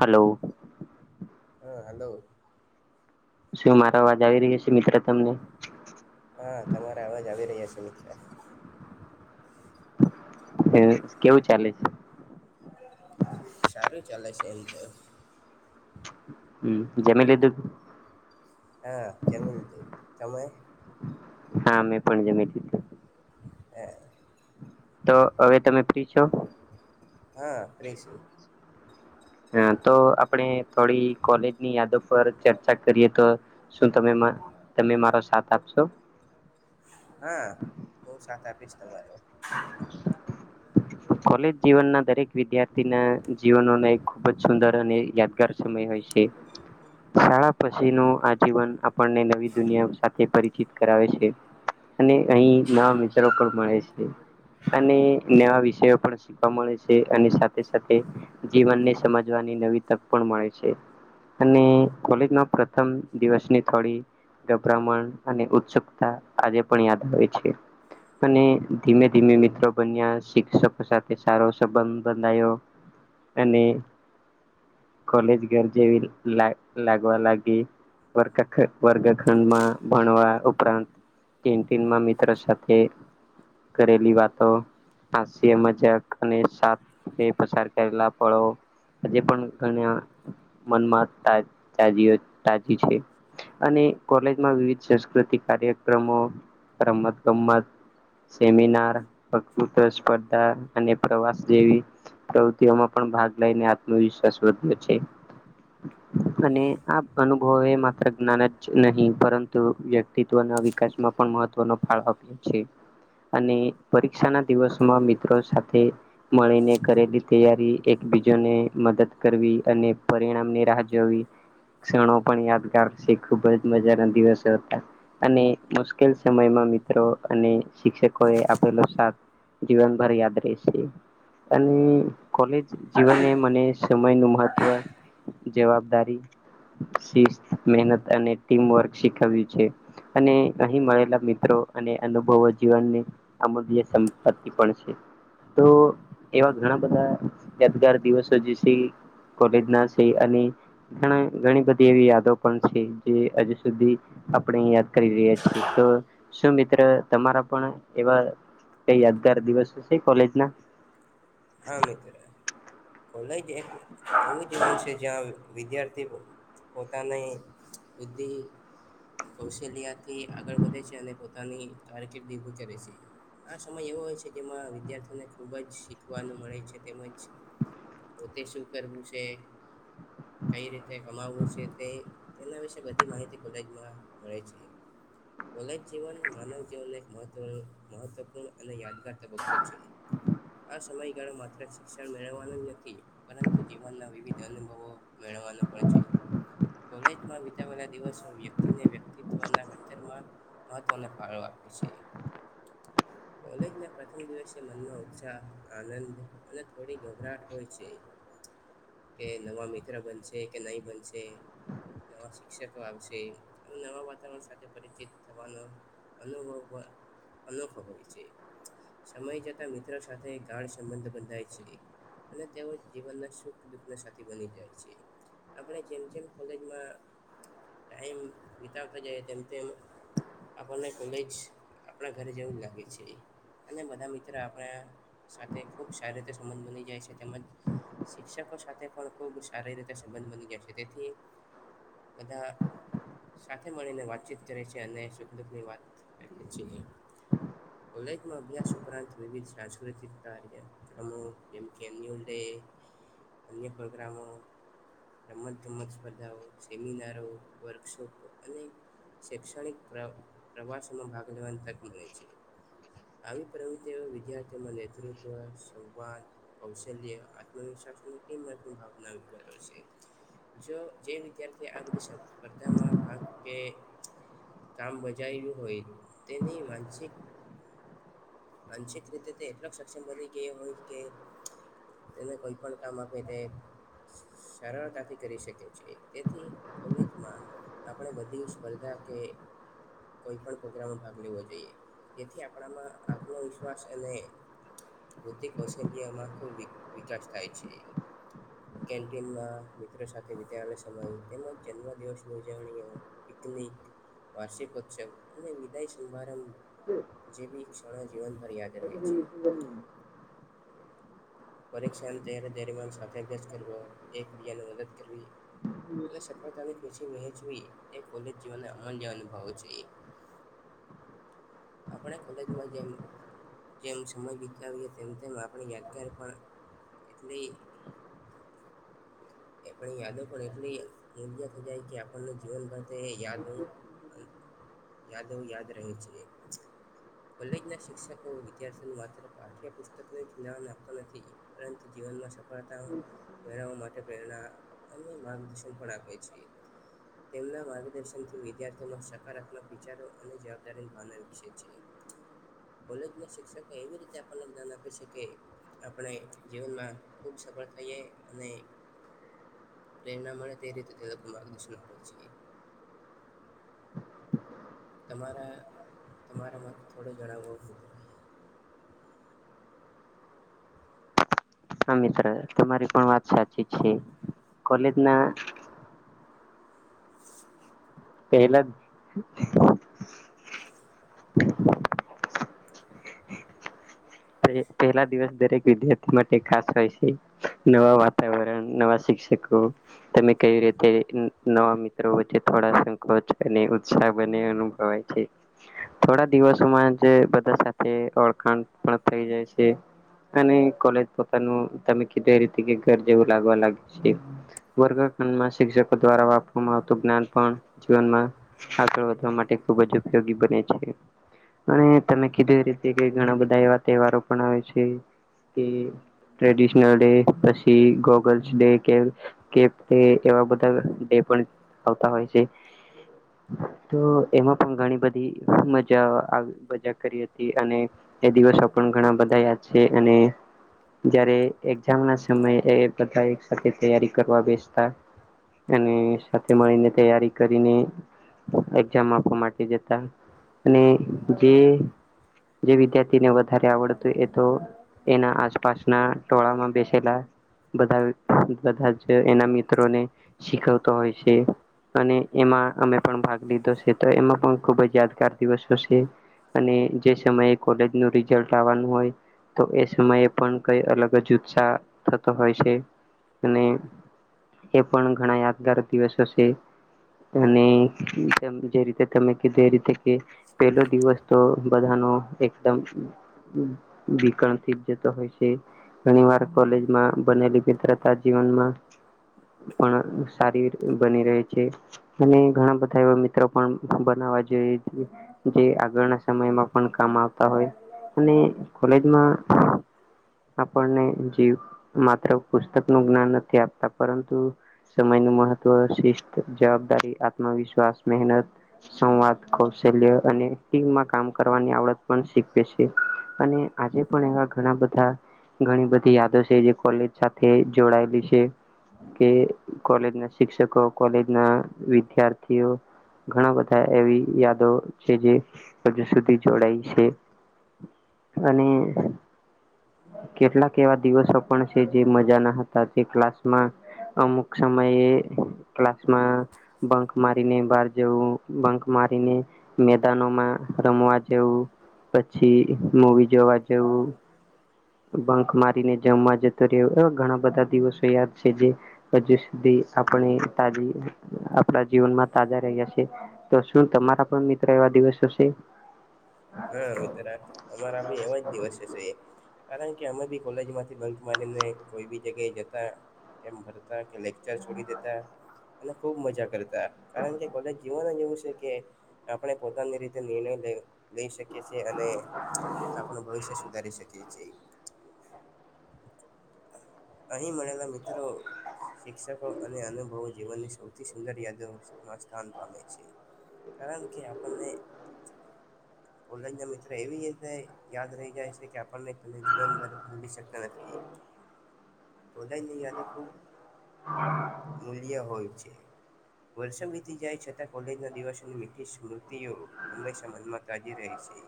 Hello હા hello શું મારો અવાજ આવી રહ્યો છે, મિત્ર તમને હા, તમારા અવાજ આવી રહ્યા છે, મિત્ર હ, કેવું ચાલે છે. સારું ચાલે છે, એમ તો હમ્મ જમી લીધું હા, કેમ [unintelligible] હા, મેં પણ જમી લીઘું હે તો હવે, તમે ફ્રી છો? હા, રહેશું. હા, તો આપણે થોડી કોલેજની યાદો પર ચર્ચા કરીએ, તો શું તમે મા મા તમે મારો સાથ આપશો? હા, હું સાથ આપીશ તમારો કોલેજ જીવનના, દરેક વિદ્યાર્થીના જીવનોનો એક ખૂબ જ સુંદર અને યાદગાર સમય હોય છે. શાળા પછીનું આ જીવન આપણને નવી દુનિયા, સાથે પરિચિત કરાવે છે. અને અહી નવા મિત્રો પણ મળે છે, અને નવા વિષ તેવું પણ શીખવા મળે છે, અને સાથે સાથે જીવનને સમજવાની નવી તક પણ મળે છે. અને કોલેજમાં, પ્રથમ દિવસની થોડી. ગભરામણ અને ઉત્સુકતા, આજે પણ યાદ આવે છે. અને ધીમે, ધીમે મિત્રો બન્યા, શિક્ષક સાથે, સારો સંબધ બઁધાયો અને કોલેજ ઘર જેવી, લ લાગવા લાગી. વર્ગા વર્ગાખંડમા, ભણવા ઉપરાંત કેન્ટીન મા મિત્ર, સાથે કરેલી વાતો હ જે મજાક, અને પસાર કરેલા ફળો આજ પણ, ઘણો મનમા તા તાજી છે, અને કોલેજમાં વિવિધ, સાસ્કૃતિક કાર્યક્રમો રમત ગમમત સેમિનાર વૃત્વ સ્પર્ધા [unintelligible] અને પ્રવાસ જેવી પ્રવૃતિઓમાં, પણ ભાગ લઈને આત્મવિશ્વાસ વધ્યો છે. અને આ અનુભવ એ માત્ર જ્ઞાન જ નહીં, પરંતુ વ્ય અસ્તિત્વના, વિકાસમાં પણ મહત્વ નો ફાળો આપ્યો છૅ અને પરીક્ષાના, દિવસમાં મિ તો સાથે, મળીને કરેલી તૈયારી, એકબીજોને મદદ કરવી અને પ પરિણામની રાહ જોવી, ક્ષણો પણ યાદગાર છે, ખૂબ જ મજાના દિવસો હતા. અને મુશ્કેલ સમયમાં મિત્રો, અને શિક્ષકો એ આપેલો સાથ જીવન પર યાદ રહેશે. અને કોલેજ જીવનને, મને સમય નું મહત્વ જવાબદારી, શિસ્ત, મહેનત, અને ટીમવર્ક શીખવ્યું છે. અને અહીં, મળેલા મિત્રો અને અનુભવો જીવનની અમૂલ્ય સંપતિ પણ છે તો એવા ઘણા બધા યાદગાર દિવસો જે છે કોલેજ ના છે, અને ઘણા ઘણી બધી એવી યાદો પણ છે જે હજુ સુધી આપણે યાદ કરી રહ્યા છીએ, તો શું મિત્ર તમારા પણ એવા કઈ યાદગાર દિવસો છે, કોલેજના? હા, મિત્ર કોલેજ એક એવું જીવન છે, જ્યાં વિદ્યાર્થીઓ પોતાની બુદ્ધિ કૌશલ્ય થી આગળ વધે છે, અને પોતાની કારકિર્દી ઉભી કરે છે. આ સમય એવો હોય છે, જેમાં વિદ્યાર્થીઓને ખુબ શિ ખવાનું મળે છે, તેમજ પોતે શું કરવું છે કઈ રીતે કમાવવું છે, તે તેના વિશે બધી માહિતી કોલેજમાં મળે છે. કોલેજ જીવન માનવ જીવન એક મહત્વનું મહત્વપૂર્ણ અને યાદગાર [unintelligible] આ સમયગાળો માત્ર શિક્ષણ મેળવવાનો જ નથી, પરંતુ જીવનના વિવિધ અનુભવો મેળવાનો [unintelligible] કોલેજમાં વિતાવેલા દિવસો વ્યક્તિને વ્યક્તિત્વના ઘડતરમાં મહત્વ ફાળો આપ છે. [inaudible] કોલેજ ના પ્રથમ દિવસે મનમાં ઉત્સ આનંદ અને થોડી ગભરાટ હોય છે. કે નવા મિત્ર બનશે કે નહી બનશે. નવા શિક્ષકો આવશે અને નવા વાતાવરણ સાથે પરિચિત થવાનું. અનુભવ અનુભવ હોય છે સમય જતા સાથે ગાંઠ સંબંધ બંધાય છે. અને તેઓ જીવનના સુખ દુઃખ સાથી બની જાય છે. આપણે જેમ જેમ કોલેજમાં ટાઈમ વિતાવતા જાય તેમ તેમ આપને કોલેજ આપણા ઘરે જવું લાગે છે અને બધા મિત્ર આપણા સાથે ખૂબ સારી રીતે સંબંધ બની જાય છે તેમજ શિક્ષકો સાથે પણ ખૂબ સારી રીતે સંબંધ બની ગાય છે તેથી બધા સાથે મળીને વાતચીત કરે છે અને સુખ દુઃખની વાત કરીએ છીએ. કોલેજમાં અભ્યાસ ઉપરાંત વિવિધ સાંસ્કૃતિક કાર્ય પ્રમુખ જેમ કે એન્યુઅલ ડે અન્ય પ્રોગ્રામો રમત ગમત સ્પર્ધાઓ સેમિનારો વર્કશોપ અને શૈક્ષણિક પ્ર પ્રવાસમાં ભાગ લેવાની તક મળે છે. આવી પ્રવૃતિ તેઓ વિદ્યાર્થીઓમાં નેતૃત્વ, સંવાદ, કૌશલ્ય, આત્મવિશ્વાસ અને ટિમવર્કનું [unintelligible] કર્યો છે. જો જે વિદ્યાર્થી આ બધી સ સ્પર્ધામાં ભાગ લે કામ બજાવ્યું હોય તેની માનસિક આંશિક રીતે તો એટલો સક્ષમ બની કે એ હોય કે એને કોઈ પણ કામ આપે તે સરળતાથી કરી શકે છે તેથી કોલેજમાં આપણે બધી સ્પર્ધા કે કોઈ પણ પ્રગ્રામમાં ભાગ લેવો જોઈએ જેથી આપણામાં આત્મવિશ્વાસ અને હૃતિક ઓસ્ટ્રેલિયામાં ખુબ વિકાસ થાય છે. કેનમાં મિત્રો સાથે વિલા સમય તેમજ જન્મ દિવસની ઉજવણી વાર્ષિકોત્સવ અને વિદાય સભારંભ જેવી ક્ષણો. જીવનભર યાદ રહે છે [unintelligible] પરીક્ષા અંત્યારે દરમન સાથે અભ્યાસ કરવો એકબીજાને મદદ કરવી. સફળતાની ખુશી વહેંચવી એ કોલેજ જીવન [unintelligible] અનુભવ છે. [inaudible] આપણે કોલેજમાં જેમ જેમ સમય બિતાવીએ તેમ તેમ આપણી યાદ ગાર પણ એટલી [inaudible] એ યાદો પણ એટલી મૂલ્ય થઈ જાય કે આપણ જીવન એ યાદો. [inaudible] યાદો યાદ રહે છે. કોલેજ ના શિક્ષકો વિદ્યાર્થી માત્ર પાઠ્ય પુસ્તક નામ આપતો નથી પરંતુ જીવનમાં સફળતા મેળવવા માટે પ્રેરણા અને માર્ગદર્શન પણ આપે છે. તેમના માર્ગદર્શનથી વિદ્યાર્થીઓમાં સકારાત્મક વિચારો અને જવાબદારીની ભાવના વિકસે છે. કોલેજ ના શિક્ષકો એવી રીતે આપણને ધાન આપે છે કે આપણે જીવનમાં ખુબ સફળ થઈએ અને પ્રેરણા મળે તે રીતે તે લોકો માર્ગદર્શન આપવો જોઈએ. [inaudible] તમારે તમારે મત થોડે જણાવવો. હા મિત્ર તમારી પણ વાત સાચી છે કોલેજ ના પેલા પહેલા દિવસ દરેક વિદ્યાર્થી માટે ખાસ હોય છે નવા વાતાવરણ નવા શિક્ષણ તમે કઈ રીતે નવા મિત્રો વચ્ચે થોડા સંકોચ અને ઉત્સાહ થોડા દિવસોમાં જે બધા સાથે ઓળખાણ થઈ જાય છે અને કોલેજ પોતાનું તમે કીધું એ રીતે કે ઘર જેવું લાગવા લાગ્યું છે વર્ગખંડમાં શિક્ષકો દ્વારા આપવામાં આવતું જ્ઞાન પણ જીવનમાં આગળ વધવા માટે ખુબજ ઉપયોગી બને છે અને તમે કીધું એ રીતે ઘણા બધા એ તહેવારો પણ આવે છે કે ટ્રેડિશનલ ડે પછી ગોગલ્સ ડે કે કેે એવા બધા ડે પણ આવતા હોય છે તો એમાં પણ ઘણી બધી મજા મજા કરી છીએ અને એ દિવસો પણ ઘણા બધા યાદ છે અને જ્યારે એક્ઝામ ના સમયે બધા એક સાથે તૈયારી કરવા બેસતા અને સાથે મળીને તૈયારી કરીને એક્ઝામ આપવા માટે જતા અને જે જે વિદ્યાર્થી વ વધારે આવડતું એ તો એના આસપાસના ટોળા માં બેસેલા બધા બધા જ એના મિત્રોને શીખવતો હોય છે. અને એમાં અમે પણ ભાગ લીધો છે તો એમાં પણ ખુબ જ યાદગાર દિવસો હશે અને જે સમયે કોલેજ નું રી જલત આવાનુ હોય તો એ સમયે પણ કઈ અલગ જ ઉત્સાહ થતો હોય છે. અને એ પણ ઘણા યાદગાર દિવસો છે. અને જે રીતે તમે કી રીતે કે પેલો દિવસ તો બધાનો એકદમ વિક્રાંતિક જેતો હોય છે ઘણી વાર કોલેજમાં બને‌ રીતે તરતા જીવનમાં પણ સારી બની રહે છે અને ઘણા બધા એવા મિત્રો પણ આજે જે આગળના સમયમાં પણ કામ આવતા હોય અને કોલેજમાં આપણને જે માત્ર પુસ્તક નું જ્ઞાન નથી આપતા પરંતુ એનુ મહત્વ શિસ્ત જવાબદારી આત્મવિશ્વાસ મહેનત સંવાદ કૌશલ્ય અને ટીમમાં કામ કરવાની આવડત પણ શીખવે છે અને આજે પણ એવા ઘણા બધા ઘણી બધી યાદો છે જે કોલેજ સાથે જોડાયેલી છે કે કોલેજ ના શિક્ષકો કોલેજ ના વિદ્યાર્થીઓ ઘણા બધા એવી યાદો છે જે હજુ સુધી જોડાય છે અને કેટલાક એવા દિવસો પણ છે જે મજાના હતા જે ક્લાસમાં અમુક સમયે ક્લાસમાં બંક મારીને બહાર જવું બંક મારીને મેદાનોમાં રમવા જવું પછી મુવી જોવા જવું બંક મારીને જમવા જતો રહ્યો એવા ઘણા બધા દિવસો યાદ છે જે હજુ સુધી આપણા જીવનમાં તાજા રહ્યા છે તો શું તમારા પણ મિત્ર વા દિવસશે હા મિત્ર અમારા ભી એવા જ દિવસે હ છે, એ કારણ કે, અમે બી કોલેજમાંથી બંક મારીને કોઈ બી જગ્યાએ, જતા તેમ ભરતા લેક્ચર છોડી, અને ખૂબ મજા કરતા કારણ કે કોલેજ જીવન કે આપણે, પોતાની રીતે નિર્ણય લઈ, શકીએ અને આપણ, ભવિષ્ય સુધારી શકીએીએ અહીં મળેલા મિત્રો શિક્ષકો અને અનુભવો જીવનની સૌથી સુંદર યાદોમાં સ્થાન પામે છે કારણ કે આપણને કોલેજના મિત્રો એવી રીતે યાદ રહી જાય છે કે આપણને જીવનભર ભૂલી શકતા નથી બધાય નહી એ તો ખુબ મૂલ્ય હોય છે વર્ષો વીતી જાય છતાં કોલેજ ના દિવસોની મીઠી સ્મૃતિઓ હંમેશા મનમાં તજી રહી છે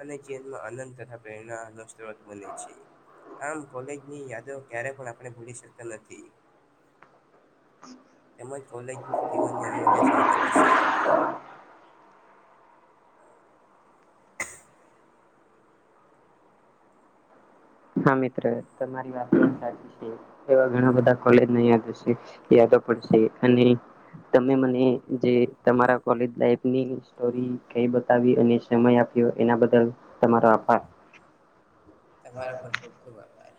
અને જીવનમાં આનંદ તથા પ્રેરણા નસ્ત બને છે આમ કોલેજની યાદો ક્યારે પણ આપણે ભૂલી શકતા નથી તેમજ કોલેજની જીવનની અમૂલ્ય સંપત્તિ છે હા મિત્ર તમારી વાત પણ સાચી છે, એવા ઘણા બધા કોલેજ યાદ, યાદો મ જે તમા લની સ બતાવી, અને સમય આપ્યો એના બદલ તમારો આભાર તમારો પર ખુબ, ખુબ આભાર